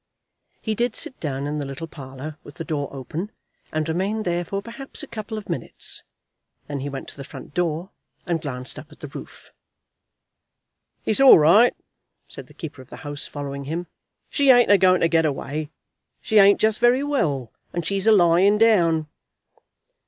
He did sit down in the little parlour, with the door open, and remained there for perhaps a couple of minutes. Then he went to the front door, and glanced up at the roof. "It's all right," said the keeper of the house, following him. "She ain't a going to get away. She ain't just very well, and she's a lying down."